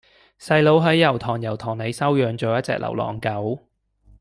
細佬喺油塘油塘里收養左一隻流浪狗